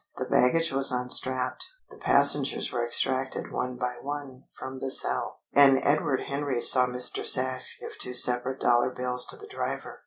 The baggage was unstrapped; the passengers were extracted one by one from the cell, and Edward Henry saw Mr. Sachs give two separate dollar bills to the driver.